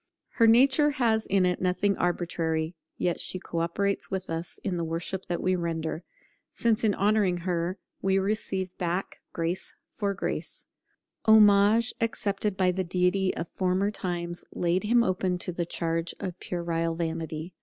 Her nature has in it nothing arbitrary, yet she co operates with us in the worship that we render, since in honouring her we receive back 'grace for grace'. Homage accepted by the Deity of former times laid him open to the charge of puerile vanity.